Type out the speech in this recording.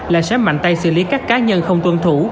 là sớm mạnh tay xử lý các cá nhân không tuân thủ